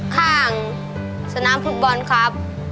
ข้างสนามภูมิบอลครับ